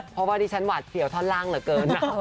เพราะว่าดิฉันหวาดเสียวท่อนล่างเหลือเกิน